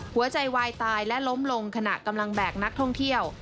หัวใจวายตายและล้มลงขณะกำลังแบกนักท่องเที่ยว